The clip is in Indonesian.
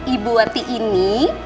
ibu arti ini